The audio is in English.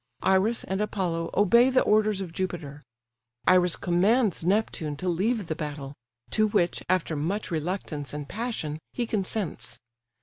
Iris and Apollo obey the orders of Jupiter; Iris commands Neptune to leave the battle, to which, after much reluctance and passion, he consents.